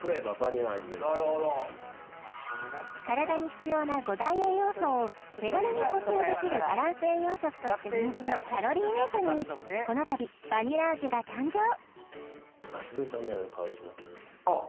体に必要な５大栄養素を手軽に補給できるバランス栄養食として人気のカロリーメイトにこのたびバニラ味が誕生あっ